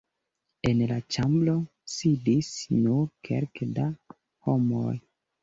En la ĉambro sidis nur kelke da homoj.